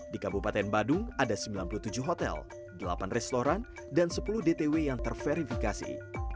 di kabupaten badung ada sembilan puluh tujuh hotel delapan restoran dan sepuluh dtw yang terverifikasi